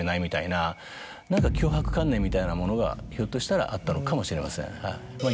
みたいなものがひょっとしたらあったのかもしれません。